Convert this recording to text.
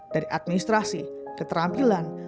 dari administrasi keterampilan